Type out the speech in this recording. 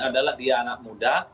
adalah dia anak muda